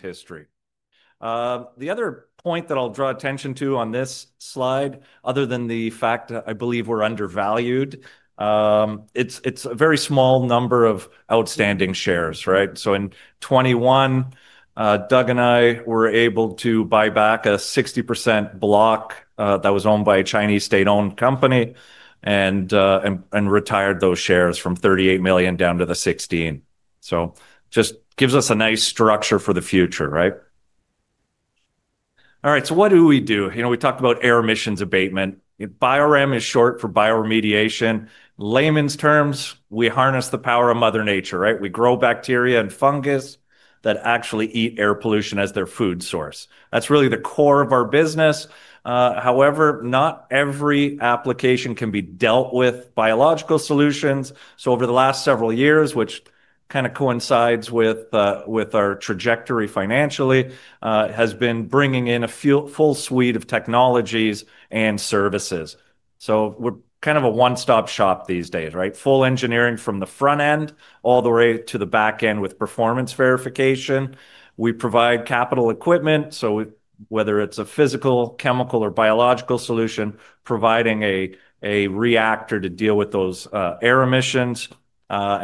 History. The other point that I'll draw attention to on this slide, other than the fact that I believe we're undervalued, it's a very small number of outstanding shares, right? In 2021, Doug and I were able to buy back a 60% block that was owned by a Chinese state-owned investor and retired those shares from $38 million down to $16 million. It just gives us a nice structure for the future, right? All right, what do we do? We talked about air emissions abatement. BioRem is short for bioremediation. In layman's terms, we harness the power of Mother Nature, right? We grow bacteria and fungus that actually eat air pollution as their food source. That's really the core of our business. However, not every application can be dealt with using biological solutions. Over the last several years, which kind of coincides with our trajectory financially, it has been bringing in a full suite of technologies and services. We're kind of a one-stop shop these days, right? Full engineering from the front end all the way to the back end with performance verification. We provide capital equipment, so whether it's a physical, chemical, or biological solution, providing a reactor to deal with those air emissions.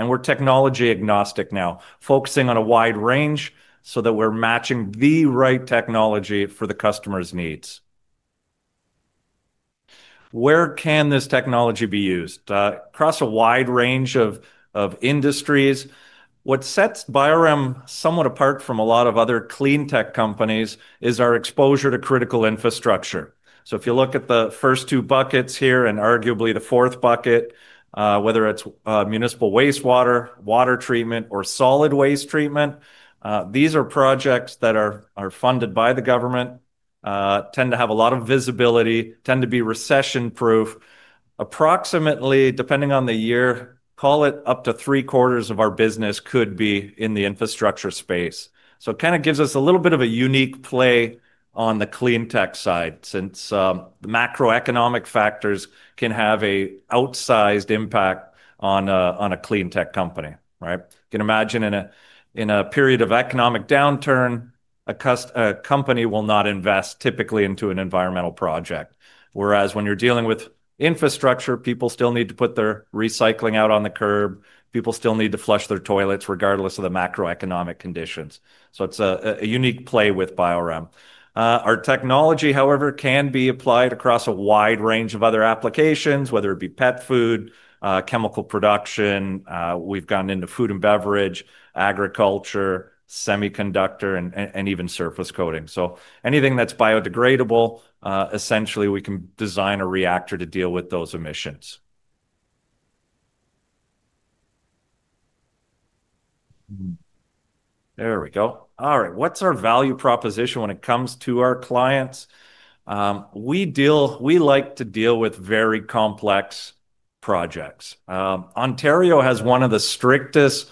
We're technology agnostic now, focusing on a wide range so that we're matching the right technology for the customer's needs. Where can this technology be used? Across a wide range of industries. What sets BioRem somewhat apart from a lot of other clean tech companies is our exposure to critical infrastructure. If you look at the first two buckets here and arguably the fourth bucket, whether it's municipal wastewater, water treatment, or solid waste treatment, these are projects that are funded by the government, tend to have a lot of visibility, and tend to be recession-proof. Approximately, depending on the year, call it up to 75% of our business could be in the infrastructure space. It kind of gives us a little bit of a unique play on the clean tech side since the macroeconomic factors can have an outsized impact on a clean tech company, right? You can imagine in a period of economic downturn, a company will not invest typically into an environmental project. When you're dealing with infrastructure, people still need to put their recycling out on the curb. People still need to flush their toilets regardless of the macroeconomic conditions. It's a unique play with BioRem. Our technology, however, can be applied across a wide range of other applications, whether it be pet food, chemical production. We've gotten into food and beverage, agriculture, semiconductor, and even surface coating. Anything that's biodegradable, essentially we can design a reactor to deal with those emissions. There we go. All right, what's our value proposition when it comes to our clients? We like to deal with very complex projects. Ontario has one of the strictest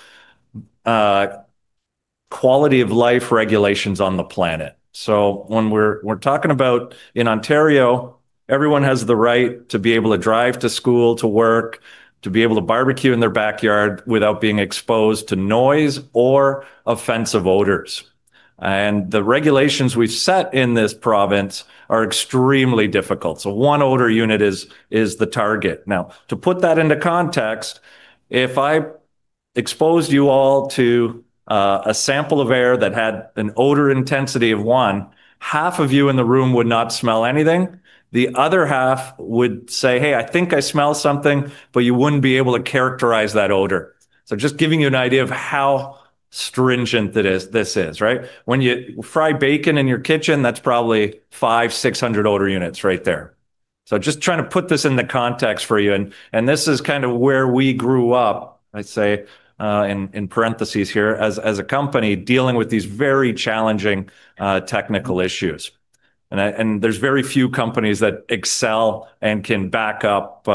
quality of life regulations on the planet. When we're talking about in Ontario, everyone has the right to be able to drive to school, to work, to be able to barbecue in their backyard without being exposed to noise or offensive odors. The regulations we've set in this province are extremely difficult. One odor unit is the target. Now, to put that into context, if I exposed you all to a sample of air that had an odor intensity of one, half of you in the room would not smell anything. The other half would say, "Hey, I think I smell something," but you wouldn't be able to characterize that odor. Just giving you an idea of how stringent this is, right? When you fry bacon in your kitchen, that's probably 500, 600 odor units right there. Just trying to put this in the context for you. This is kind of where we grew up, I'd say, in parentheses here, as a company dealing with these very challenging technical issues. There are very few companies that excel and can back up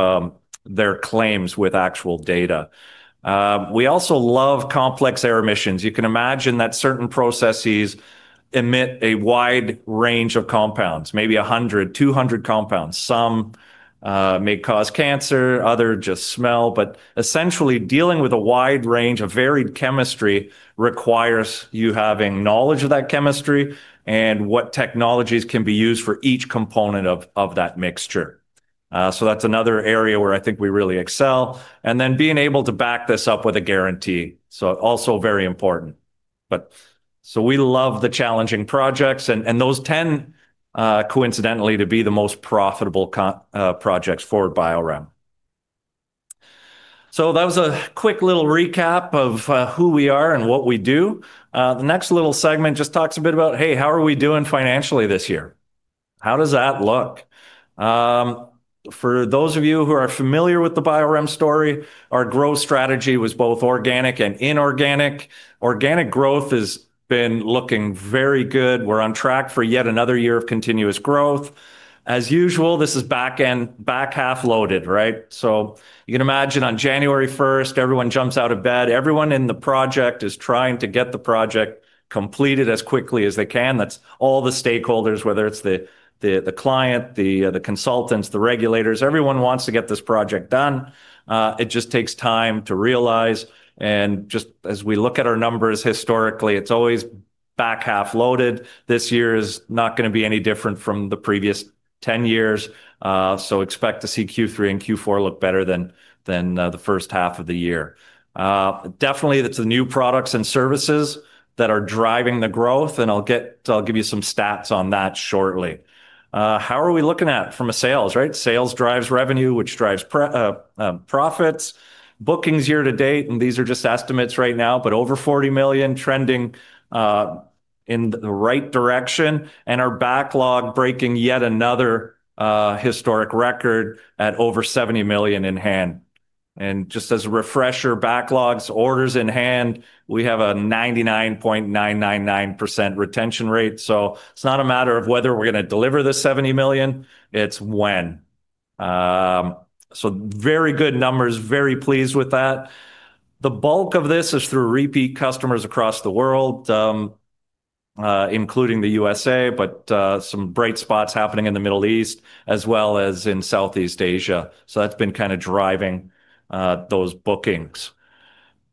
their claims with actual data. We also love complex air emissions. You can imagine that certain processes emit a wide range of compounds, maybe 100, 200 compounds. Some may cause cancer, others just smell. Essentially, dealing with a wide range of varied chemistry requires you having knowledge of that chemistry and what technologies can be used for each component of that mixture. That's another area where I think we really excel. Being able to back this up with a guarantee is also very important. We love the challenging projects. Those tend, coincidentally, to be the most profitable projects for BioRem. That was a quick little recap of who we are and what we do. The next little segment just talks a bit about, hey, how are we doing financially this year? How does that look? For those of you who are familiar with the BioRem story, our growth strategy was both organic and inorganic. Organic growth has been looking very good. We're on track for yet another year of continuous growth. As usual, this is back half loaded, right? You can imagine on January 1, everyone jumps out of bed. Everyone in the project is trying to get the project completed as quickly as they can. That's all the stakeholders, whether it's the client, the consultants, the regulators. Everyone wants to get this project done. It just takes time to realize. As we look at our numbers historically, it's always back half loaded. This year is not going to be any different from the previous 10 years. Expect to see Q3 and Q4 look better than the first half of the year. Definitely, it's the new products and services that are driving the growth. I'll give you some stats on that shortly. How are we looking at it from a sales perspective? Sales drives revenue, which drives profits. Bookings year to date, and these are just estimates right now, but over $40 million trending in the right direction. Our backlog breaking yet another historic record at over $70 million in hand. As a refresher, backlog is orders in hand. We have a 99.999% retention rate. It's not a matter of whether we're going to deliver the $70 million. It's when. Very good numbers, very pleased with that. The bulk of this is through repeat customers across the world, including the U.S.A., but some bright spots happening in the Middle East, as well as in Southeast Asia. That's been kind of driving those bookings.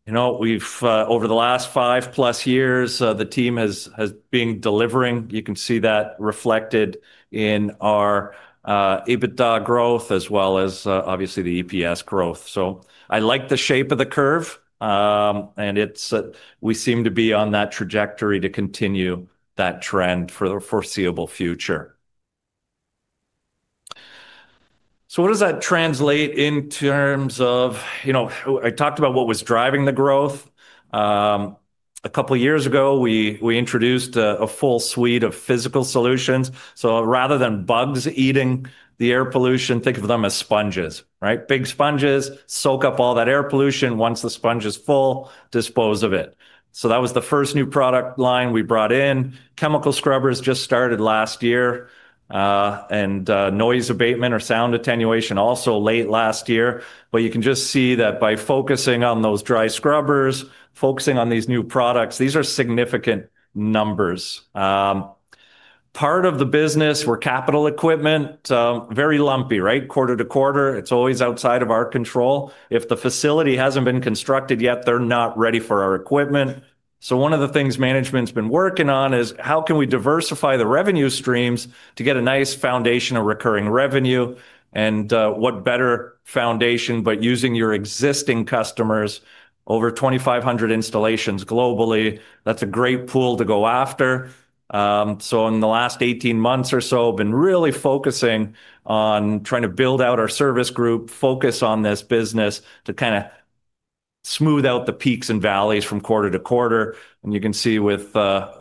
Over the last five plus years, the team has been delivering. You can see that reflected in our EBITDA growth, as well as obviously the EPS growth. I like the shape of the curve, and we seem to be on that trajectory to continue that trend for the foreseeable future. What does that translate in terms of, you know, I talked about what was driving the growth. A couple of years ago, we introduced a full suite of physical solutions. Rather than bugs eating the air pollution, think of them as sponges, right? Big sponges soak up all that air pollution. Once the sponge is full, dispose of it. That was the first new product line we brought in. Chemical scrubbers just started last year, and noise abatement or sound attenuation also late last year. You can just see that by focusing on those dry scrubbers, focusing on these new products, these are significant numbers. Part of the business, we're capital equipment, very lumpy, right? Quarter to quarter, it's always outside of our control. If the facility hasn't been constructed yet, they're not ready for our equipment. One of the things management's been working on is how can we diversify the revenue streams to get a nice foundation of recurring revenue? What better foundation but using your existing customers? Over 2,500 installations globally, that's a great pool to go after. In the last 18 months or so, I've been really focusing on trying to build out our service group, focus on this business to kind of smooth out the peaks and valleys from quarter to quarter. You can see with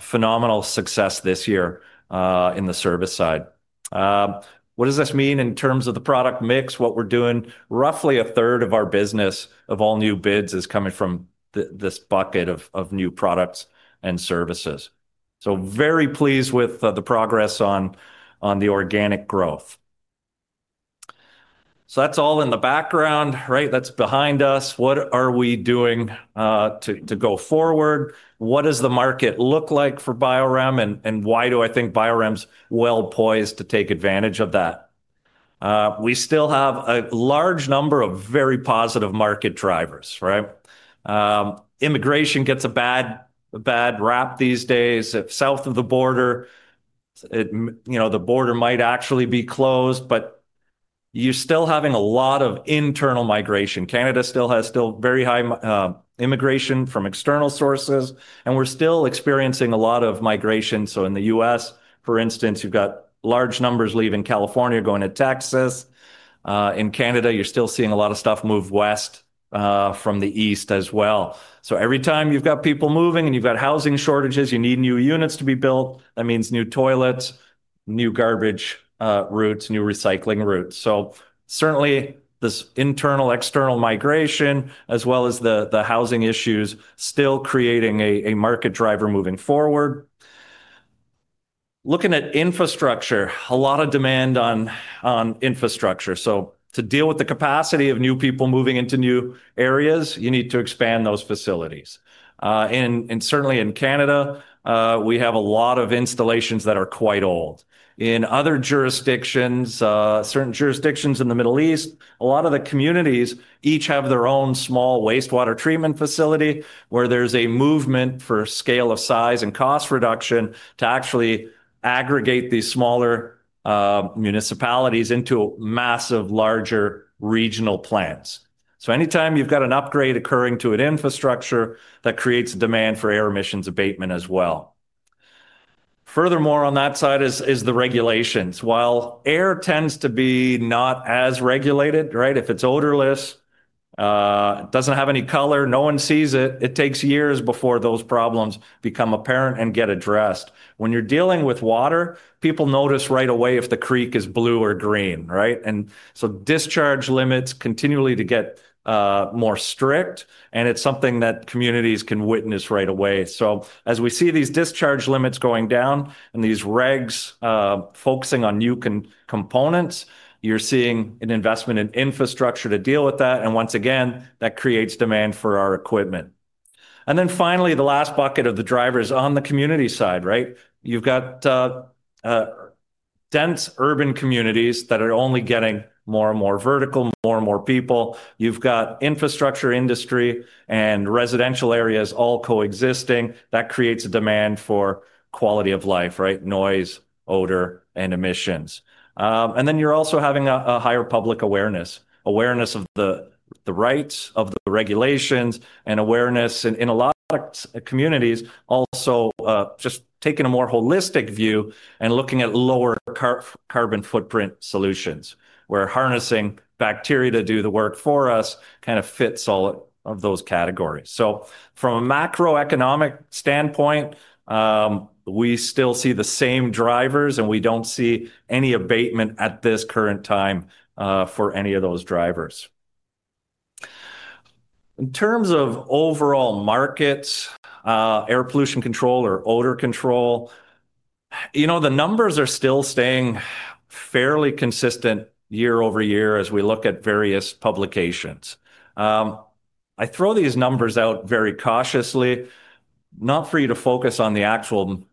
phenomenal success this year in the service side. What does this mean in terms of the product mix? We're doing roughly a third of our business of all new bids is coming from this bucket of new products and services. Very pleased with the progress on the organic growth. That's all in the background, right? That's behind us. What are we doing to go forward? What does the market look like for BioRem Inc.? Why do I think BioRem Inc.'s well poised to take advantage of that? We still have a large number of very positive market drivers, right? Immigration gets a bad rap these days. If south of the border, you know, the border might actually be closed, but you're still having a lot of internal migration. Canada still has still very high immigration from external sources. We're still experiencing a lot of migration. In the U.S., for instance, you've got large numbers leaving California, going to Texas. In Canada, you're still seeing a lot of stuff move west from the east as well. Every time you've got people moving and you've got housing shortages, you need new units to be built. That means new toilets, new garbage routes, new recycling routes. Certainly, this internal, external migration, as well as the housing issues, still creating a market driver moving forward. Looking at infrastructure, a lot of demand on infrastructure. To deal with the capacity of new people moving into new areas, you need to expand those facilities. Certainly in Canada, we have a lot of installations that are quite old. In other jurisdictions, certain jurisdictions in the Middle East, a lot of the communities each have their own small wastewater treatment facility where there's a movement for scale of size and cost reduction to actually aggregate these smaller municipalities into massive, larger regional plans. Anytime you've got an upgrade occurring to an infrastructure, that creates a demand for air emissions abatement as well. Furthermore, on that side is the regulations. While air tends to be not as regulated, right? If it's odorless, it doesn't have any color, no one sees it, it takes years before those problems become apparent and get addressed. When you're dealing with water, people notice right away if the creek is blue or green, right? Discharge limits continually get more strict, and it's something that communities can witness right away. As we see these discharge limits going down and these regs focusing on new components, you're seeing an investment in infrastructure to deal with that. Once again, that creates demand for our equipment. Finally, the last bucket of the drivers on the community side, right? You've got dense urban communities that are only getting more and more vertical, more and more people. You've got infrastructure industry and residential areas all coexisting. That creates a demand for quality of life, right? Noise, odor, and emissions. You're also having a higher public awareness. Awareness of the rights of the regulations and awareness in a lot of communities also just taking a more holistic view and looking at lower carbon footprint solutions, where harnessing bacteria to do the work for us kind of fits all of those categories. From a macroeconomic standpoint, we still see the same drivers and we don't see any abatement at this current time for any of those drivers. In terms of overall markets, air pollution control or odor control, the numbers are still staying fairly consistent year over year as we look at various publications. I throw these numbers out very cautiously, not for you to focus on the actual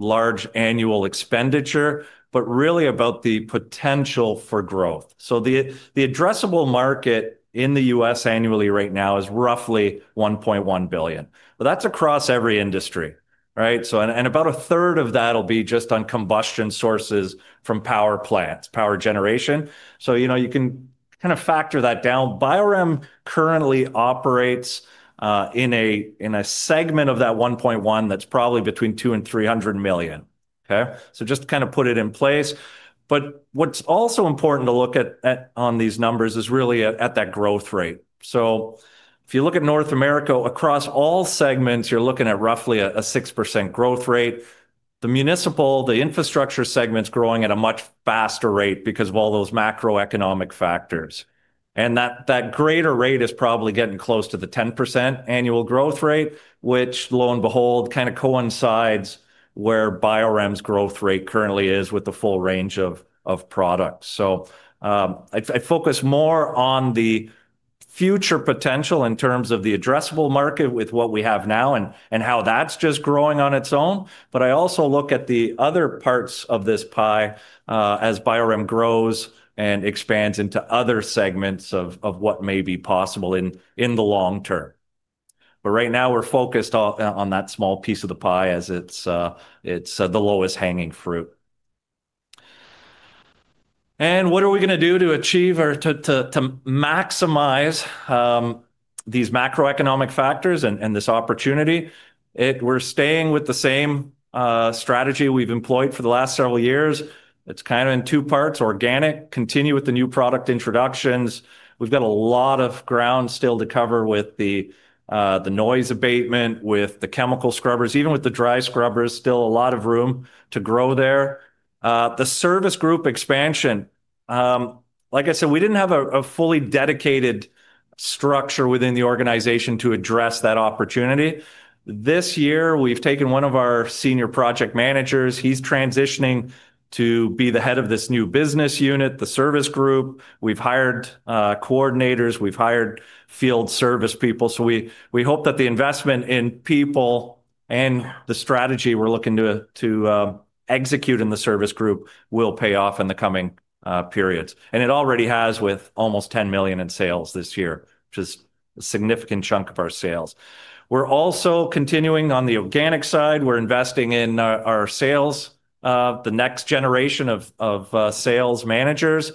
large annual expenditure, but really about the potential for growth. The addressable market in the U.S. annually right now is roughly $1.1 billion. That's across every industry, right? About a third of that will be just on combustion sources from power plants, power generation. You can kind of factor that down. BioRem Inc. currently operates in a segment of that $1.1 billion that's probably between $200 million and $300 million, just to kind of put it in place. What's also important to look at on these numbers is really at that growth rate. If you look at North America, across all segments, you're looking at roughly a 6% growth rate. The municipal, the infrastructure segment's growing at a much faster rate because of all those macroeconomic factors. That greater rate is probably getting close to the 10% annual growth rate, which lo and behold kind of coincides where BioRem's growth rate currently is with the full range of products. I focus more on the future potential in terms of the addressable market with what we have now and how that's just growing on its own. I also look at the other parts of this pie as BioRem grows and expands into other segments of what may be possible in the long term. Right now, we're focused on that small piece of the pie as it's the lowest hanging fruit. What are we going to do to achieve or to maximize these macroeconomic factors and this opportunity? We're staying with the same strategy we've employed for the last several years. It's kind of in two parts: organic, continue with the new product introductions. We've got a lot of ground still to cover with the noise abatement, with the chemical scrubbers, even with the dry scrubbers, still a lot of room to grow there. The service group expansion, like I said, we didn't have a fully dedicated structure within the organization to address that opportunity. This year, we've taken one of our Senior Project Managers. He's transitioning to be the head of this new business unit, the service group. We've hired coordinators. We've hired field service people. We hope that the investment in people and the strategy we're looking to execute in the service group will pay off in the coming periods. It already has with almost $10 million in sales this year, which is a significant chunk of our sales. We're also continuing on the organic side. We're investing in our sales, the next generation of Sales Managers.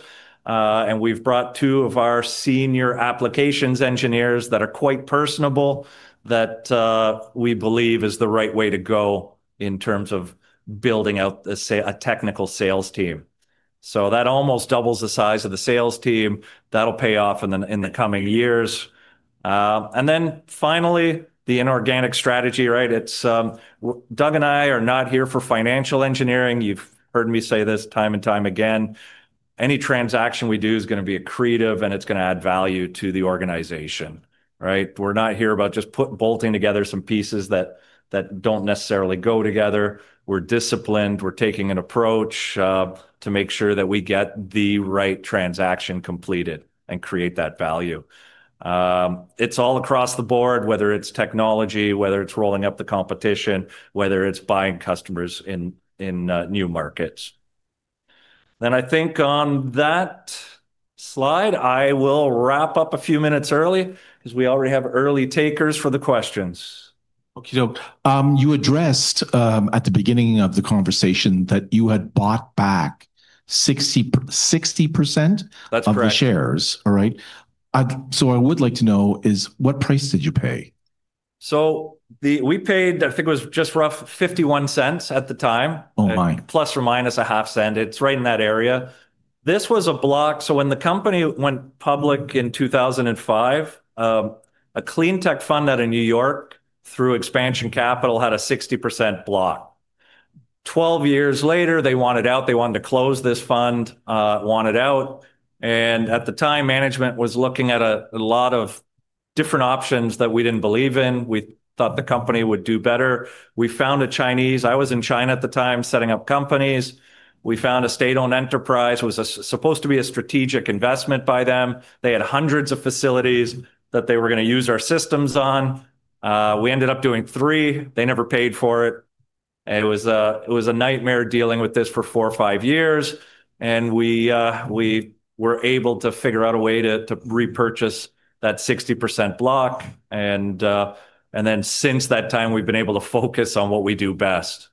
We've brought two of our Senior Applications Engineers that are quite personable, that we believe is the right way to go in terms of building out a technical sales team. That almost doubles the size of the sales team. That'll pay off in the coming years. Finally, the inorganic strategy, right? Doug and I are not here for financial engineering. You've heard me say this time and time again. Any transaction we do is going to be creative and it's going to add value to the organization, right? We're not here about just bolting together some pieces that don't necessarily go together. We're disciplined. We're taking an approach to make sure that we get the right transaction completed and create that value. It's all across the board, whether it's technology, whether it's rolling up the competition, whether it's buying customers in new markets. I think on that slide, I will wrap up a few minutes early because we already have early takers for the questions. OK, Doug, you addressed at the beginning of the conversation that you had bought back 60% of the shares, all right? I would like to know what price did you pay? We paid, I think it was just roughly $0.51 at the time. Oh, my. Plus or minus $0.005. It's right in that area. This was a block. When the company went public in 2005, a clean tech fund out of New York through expansion capital had a 60% block. Twelve years later, they wanted out. They wanted to close this fund, wanted out. At the time, management was looking at a lot of different options that we didn't believe in. We thought the company would do better. We found a Chinese. I was in China at the time setting up companies. We found a Chinese state-owned investor. It was supposed to be a strategic investment by them. They had hundreds of facilities that they were going to use our systems on. We ended up doing three. They never paid for it. It was a nightmare dealing with this for four or five years. We were able to figure out a way to repurchase that 60% block. Since that time, we've been able to focus on what we do best.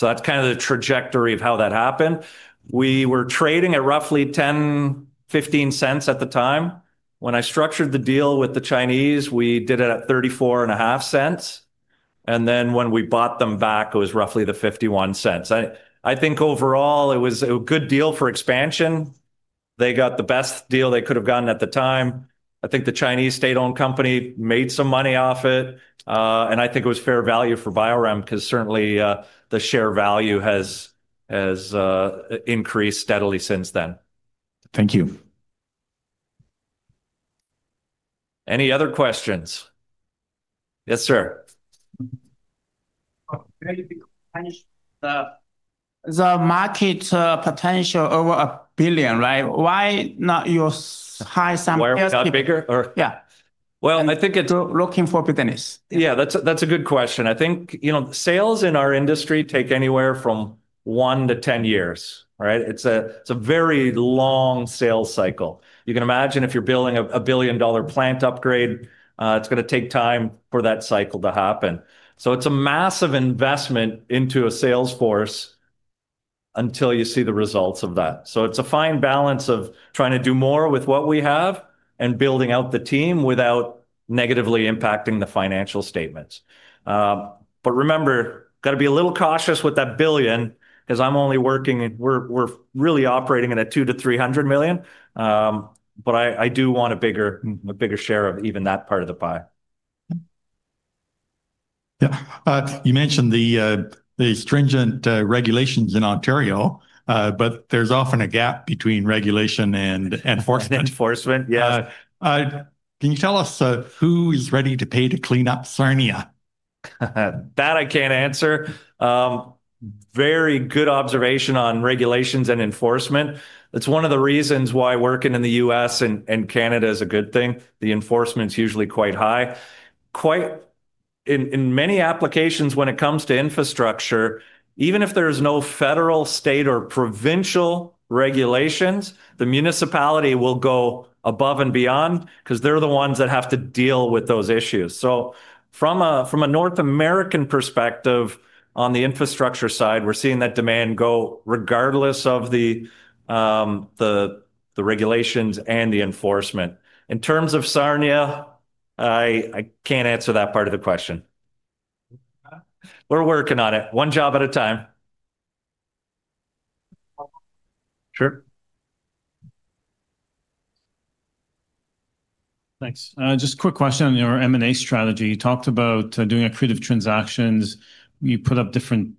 That's kind of the trajectory of how that happened. We were trading at roughly $0.10, $0.15 at the time. When I structured the deal with the Chinese, we did it at $0.345. When we bought them back, it was roughly $0.51. I think overall it was a good deal for expansion. They got the best deal they could have gotten at the time. I think the Chinese state-owned investor made some money off it. I think it was fair value for BioRem Inc. because certainly the share value has increased steadily since then. Thank you. Any other questions? Yes, sir. The market potential over $1 billion, right? Why not your high sample? Why not make it bigger? Yeah. I think. Looking for business? Yeah, that's a good question. I think, you know, sales in our industry take anywhere from one to 10 years, right? It's a very long sales cycle. You can imagine if you're building a billion-dollar plant upgrade, it's going to take time for that cycle to happen. It's a massive investment into a sales force until you see the results of that. It's a fine balance of trying to do more with what we have and building out the team without negatively impacting the financial statements. Remember, got to be a little cautious with that billion because I'm only working and we're really operating in a $200 to $300 million. I do want a bigger share of even that part of the pie. Yeah, you mentioned the stringent regulations in Ontario, but there's often a gap between regulation and enforcement. Enforcement, yes. Can you tell us who is ready to pay to clean up Sarnia? That I can't answer. Very good observation on regulations and enforcement. That's one of the reasons why working in the U.S. and Canada is a good thing. The enforcement is usually quite high. In many applications, when it comes to infrastructure, even if there is no federal, state, or provincial regulations, the municipality will go above and beyond because they're the ones that have to deal with those issues. From a North American perspective on the infrastructure side, we're seeing that demand go regardless of the regulations and the enforcement. In terms of Sarnia, I can't answer that part of the question. We're working on it, one job at a time. Sure. Thanks. Just a quick question on your M&A strategy. You talked about doing accretive transactions. You put up different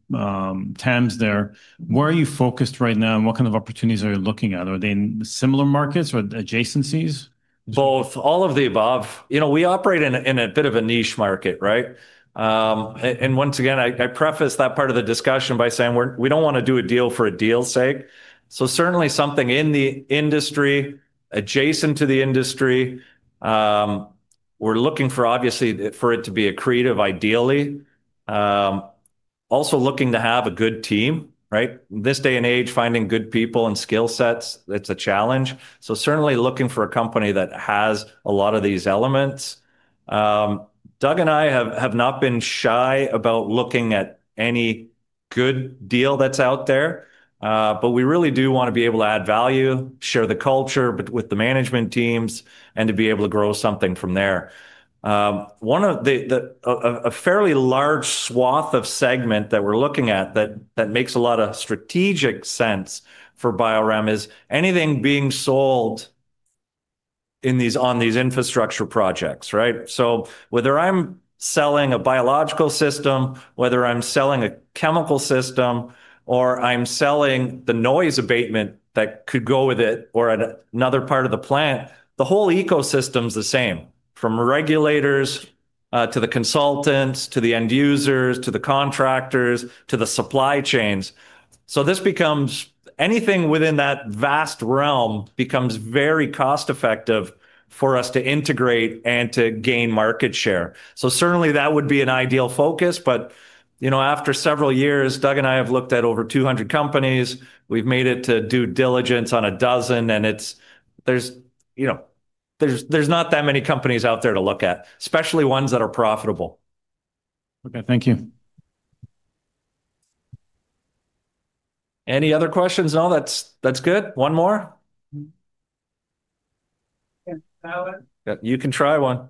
TAMs there. Where are you focused right now and what kind of opportunities are you looking at? Are they in similar markets or adjacencies? Both, all of the above. We operate in a bit of a niche market, right? Once again, I prefaced that part of the discussion by saying we don't want to do a deal for a deal's sake. Certainly something in the industry, adjacent to the industry. We're looking for it to be accretive ideally. Also looking to have a good team, right? In this day and age, finding good people and skill sets is a challenge. Certainly looking for a company that has a lot of these elements. Doug and I have not been shy about looking at any good deal that's out there. We really do want to be able to add value, share the culture with the management teams, and to be able to grow something from there. One of the fairly large swath of segment that we're looking at that makes a lot of strategic sense for BioRem Inc. is anything being sold on these infrastructure projects, right? Whether I'm selling a biological system, whether I'm selling a chemical system, or I'm selling the noise abatement that could go with it or another part of the plant, the whole ecosystem is the same. From regulators to the consultants, to the end users, to the contractors, to the supply chains, this becomes anything within that vast realm becomes very cost-effective for us to integrate and to gain market share. That would be an ideal focus. After several years, Doug and I have looked at over 200 companies. We've made it to due diligence on a dozen. There's not that many companies out there to look at, especially ones that are profitable. OK, thank you. Any other questions? No, that's good. One more. You can try one.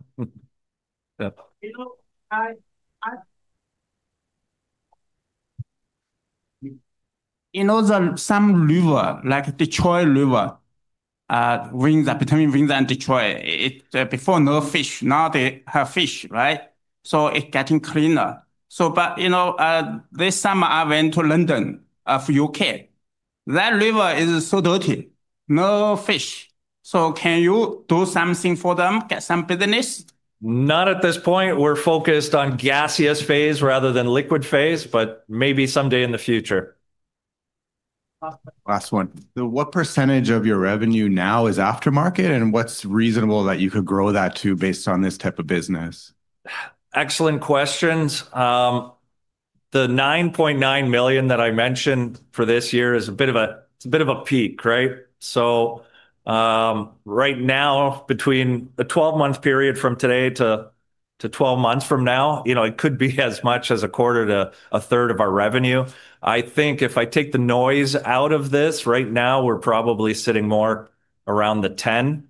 In old times, some river, like Detroit River, between Rings and Detroit, before no fish, now they have fish, right? It's getting cleaner. This summer I went to London for the UK. That river is so dirty, no fish. Can you do something for them, get some business? Not at this point. We're focused on gaseous phase rather than liquid phase, but maybe someday in the future. Last one. What percentage of your revenue now is aftermarket? What's reasonable that you could grow that to based on this type of business? Excellent questions. The $9.9 million that I mentioned for this year is a bit of a peak, right? Right now, between a 12-month period from today to 12 months from now, it could be as much as a quarter to a third of our revenue. I think if I take the noise out of this, right now we're probably sitting more around the 5%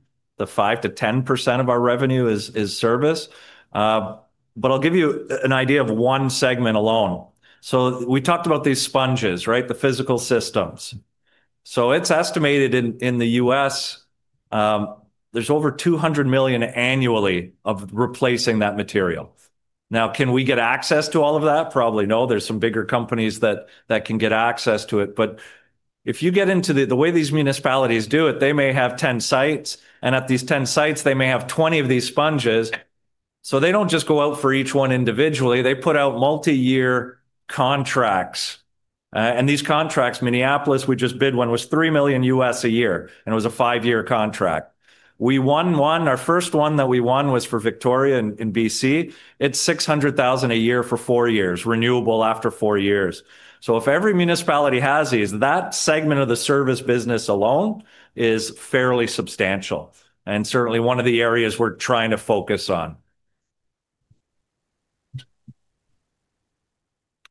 to 10% of our revenue is service. I'll give you an idea of one segment alone. We talked about these sponges, right? The physical systems. It's estimated in the U.S. there's over $200 million annually of replacing that material. Can we get access to all of that? Probably no. There are some bigger companies that can get access to it. If you get into the way these municipalities do it, they may have 10 sites. At these 10 sites, they may have 20 of these sponges. They don't just go out for each one individually. They put out multi-year contracts. These contracts, Minneapolis, we just bid one, was $3 million U.S. a year. It was a five-year contract. We won one. Our first one that we won was for Victoria, BC. It's $600,000 a year for four years, renewable after four years. If every municipality has these, that segment of the service business alone is fairly substantial and certainly one of the areas we're trying to focus on.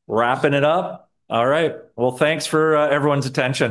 Wrapping it up. All right. Thanks for everyone's attention.